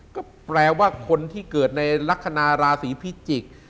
ก็แปลว่าคนที่เกิดในลักษณะราศีพิจิกษ์